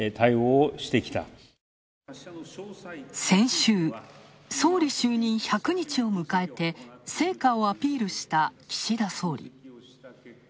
先週、総理就任１００日を迎えて成果をアピールした岸田総理。